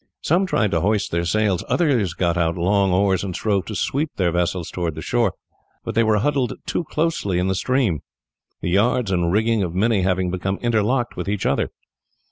Some tried to hoist their sails; others got out long oars and strove to sweep their vessels towards the shore, but they were huddled too closely in the stream; the yards and rigging of many having become interlocked with each other.